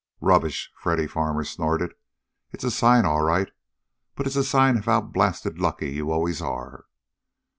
"Rubbish!" Freddy Farmer snorted. "It's a sign, all right. But it's a sign of how blasted lucky you always are!"